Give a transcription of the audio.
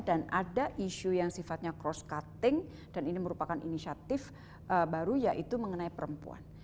dan ada isu yang sifatnya cross cutting dan ini merupakan inisiatif baru yaitu mengenai perempuan